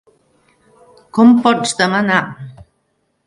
Com pots demanar??